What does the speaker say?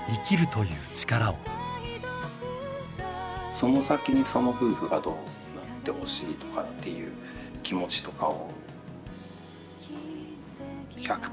その先にその夫婦がどうなってほしいとかっていう気持ちとかを。